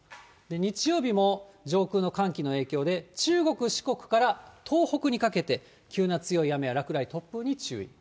日曜日も上空の寒気の影響で中国、四国から東北にかけて急な強い雨や落雷、突風に注意。